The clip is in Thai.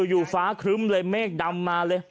อยู่ฟ้าครึ้มเลยเมฆดำมาเลย